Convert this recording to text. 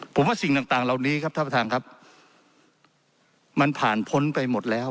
ผมว่าสิ่งต่างมันผาลพ้นไปหมดแล้ว